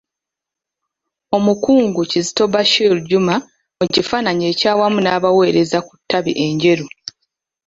Omukungu Kizito Bashir Juma mu kifaananyi ekyawamu n'abaweereza ku ttabi e Njeru.